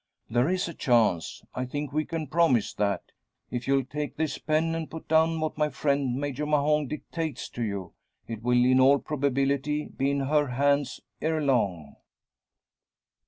"There is a chance. I think we can promise that. If you'll take this pen and put down what my friend Major Mahon dictates to you, it will in all probability be in her hands ere long."